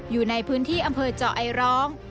อยู่ในพื้นที่อำเภอเจาะไอร้อง